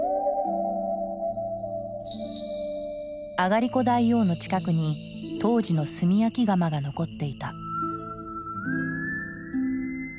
あがりこ大王の近くに当時の炭焼き窯が残っていた。